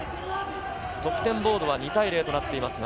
得点コードは２対０となっていますが。